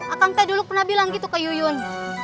akang teh dulu pernah bilang gitu ke iyun